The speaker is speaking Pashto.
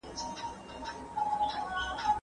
هغه د کره کتني په اړه ډېر کتابونه لوستي وو.